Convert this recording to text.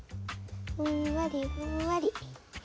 ふんわりふんわり。